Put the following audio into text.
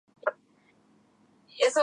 持ちきれないよそんなに